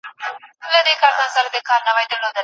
دوی لوبې کوي